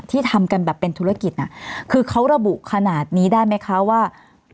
ทำกันแบบเป็นธุรกิจน่ะคือเขาระบุขนาดนี้ได้ไหมคะว่า